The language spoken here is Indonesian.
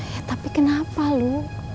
ya tapi kenapa lo